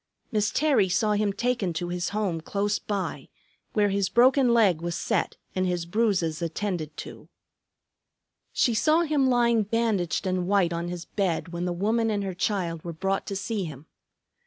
Miss Terry saw him taken to his home close by, where his broken leg was set and his bruises attended to. She saw him lying bandaged and white on his bed when the woman and her child were brought to see him.